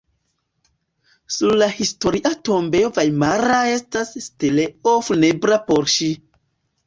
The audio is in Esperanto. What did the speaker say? Sur la Historia tombejo vajmara estas steleo funebra por ŝi.